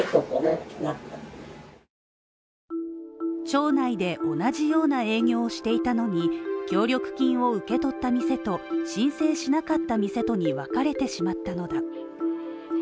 町内で同じような営業をしていたのに、協力金を受け取った店と申請しなかった店とにわかれてしまったのだ。